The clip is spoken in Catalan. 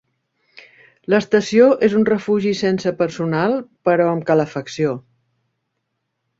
L'estació és un refugi sense personal, però amb calefacció.